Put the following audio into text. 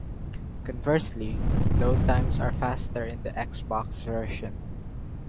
Conversely, load times are faster in the Xbox version.